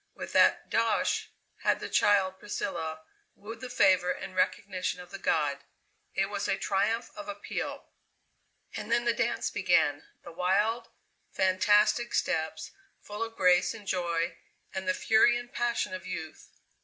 With that "dosh" had the child Priscilla wooed the favour and recognition of the god. It was a triumph of appeal. And then the dance began the wild, fantastic steps full of grace and joy and the fury and passion of youth.